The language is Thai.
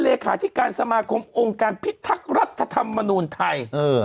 เลขาธิการสมาคมองค์การพิทักษ์รัฐธรรมนูลไทย